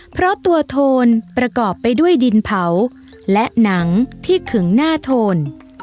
เพราะตัวโทนประกอบไปด้วยดินเผาและหนังที่ขึงหน้าโทน